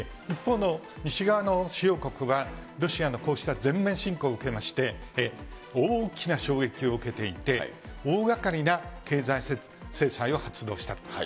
一方の西側の主要国は、ロシアのこうした全面侵攻を受けまして、大きな衝撃を受けていて、大がかりな経済制裁を発動したと。